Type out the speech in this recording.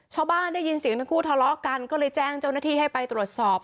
ชาวบ้านได้ยินเสียงทั้งคู่ทะเลาะกันก็เลยแจ้งเจ้าหน้าที่ให้ไปตรวจสอบ